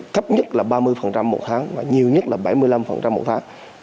thấp nhất là ba mươi một tháng và nhiều nhất là bảy mươi năm mỗi tháng